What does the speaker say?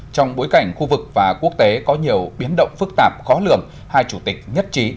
trong bối cảnh khu vực và quốc tế có nhiều biến động phức tạp khó lường hai chủ tịch nhất trí